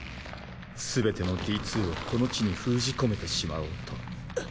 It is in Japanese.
すべてのＤ２をこの地に封じ込めてしまおうと。